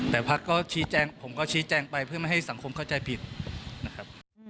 แต่พักก็ชี้แจงผมก็ชี้แจงไปเพื่อไม่ให้สังคมเข้าใจผิดนะครับ